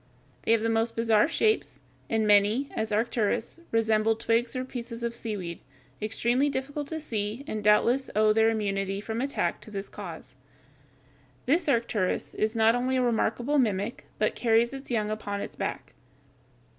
They have the most bizarre shapes, and many, as Arcturus, resemble twigs or pieces of seaweed, extremely difficult to see and doubtless owe their immunity from attack to this cause. This Arcturus (Fig. 142) is not only a remarkable mimic, but carries its young upon its back.